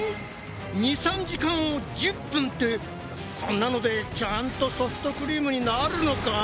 ２３時間を「１０分」ってそんなのでちゃんとソフトクリームになるのか？